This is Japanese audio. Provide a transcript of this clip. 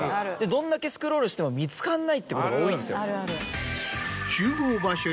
どんだけスクロールしても見つかんないってことが多いんですよ。